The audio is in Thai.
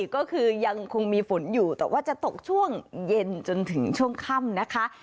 ก็คือยังคงมีฝนอยู่แต่ว่าจะตกช่วงเย็นจนถึงช่วงค่ำนะคะ